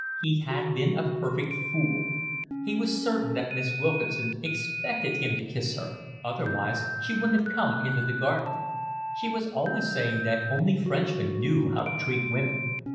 He had been a perfect fool. He was certain that Miss Wilkinson expected him to kiss her, otherwise she wouldn't have come into the garden. She was always saying that only Frenchmen knew how to treat women.